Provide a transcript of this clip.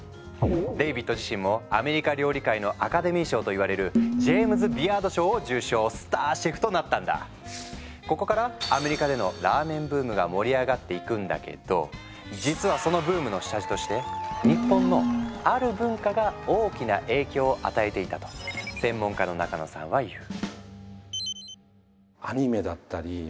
デイビッド自身もアメリカ料理界のアカデミー賞といわれるここからアメリカでのラーメンブームが盛り上がっていくんだけど実はそのブームの下地として日本のある文化が大きな影響を与えていたと専門家の中野さんは言う。